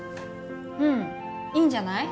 うんいいんじゃない？